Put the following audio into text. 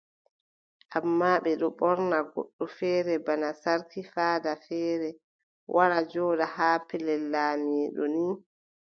Ammaa ɓe ɓorna goɗɗo feere bana sarki faada feere wara jooɗa haa pellel laamiiɗo ni.